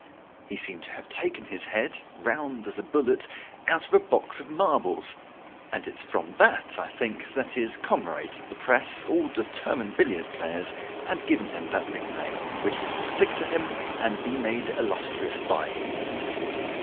He seemed to have taken his head round as a bullet out of a box of marbles, and it is from that, I think, that his comrades of the press all determined billiard players had given him that nickname, which was to stick to him and be made illustrious by him.